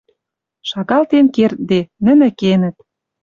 Шагалтен кердде — нӹнӹ кенӹт.